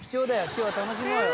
今日は楽しもうよ。